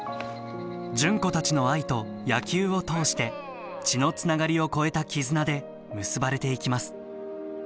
純子たちの愛と野球を通して血のつながりを超えた絆で結ばれていきます。